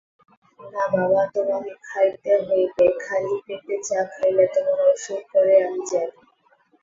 না বাবা, তোমাকে খাইতে হইবে–খালি-পেটে চা খাইলে তোমার অসুখ করে আমি জানি।